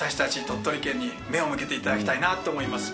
鳥取県に目を向けていただきたいなと思います。